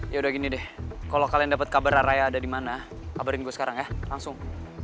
yaudah gini deh kalo kalian dapet kabar raya ada dimana kabarin gue sekarang ya langsung